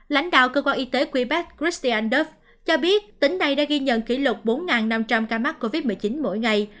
lãnh đạo cơ quan y tế quebec christian dove cho biết tỉnh này đã ghi nhận kỷ lục bốn năm trăm linh ca mắc covid một mươi chín mỗi ngày